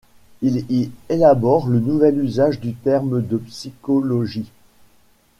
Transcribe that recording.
Il y élabore le nouvel usage du terme de psychologie.